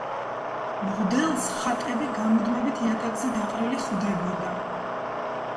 მღვდელს ხატები გამუდმებით იატაკზე დაყრილი ხვდებოდა.